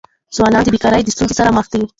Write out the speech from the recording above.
ځوانان د بېکاری د ستونزي سره مخ دي.